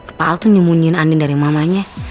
apa al tuh nyemunyin andin dari mamanya